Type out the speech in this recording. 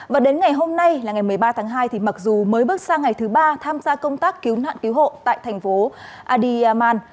và đến ngày hôm nay là ngày một mươi ba tháng hai thì mặc dù mới bước sang ngày thứ ba tham gia công tác cứu nạn cứu hộ tại thành phố adiyaman